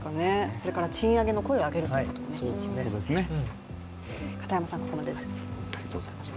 それから賃上げの声を上げるということですね